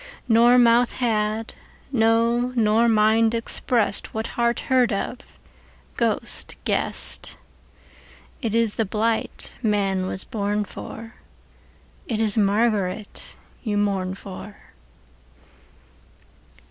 Nor mouth had, no nor mind, expressedWhat heart heard of, ghost guessed:It ís the blight man was born for, It is Margaret you mourn for.